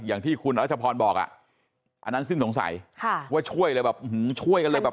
อย่างที่คุณรัชพรบอกอ่ะอันนั้นสิ้นสงสัยค่ะว่าช่วยเลยแบบช่วยกันเลยแบบ